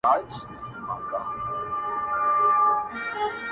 د دوى مخي ته لاسونه پرې كېدله.!